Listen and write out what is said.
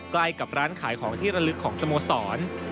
ใกล้กับร้านขายของที่ระลึกของสโมสร